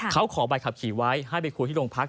เขาขอใบขับขี่ไว้ให้ไปคุยที่โรงพัก